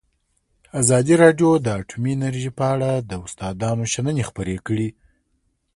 ازادي راډیو د اټومي انرژي په اړه د استادانو شننې خپرې کړي.